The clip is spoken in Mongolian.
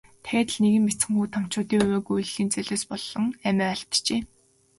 Дахиад л нэгэн бяцхан хүү томчуудын увайгүй үйлдлийн золиос болон амиа алджээ.